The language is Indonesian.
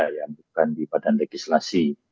yang bukan di badan legislasi